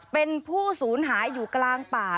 เป็นผู้สูญหายอยู่กลางป่า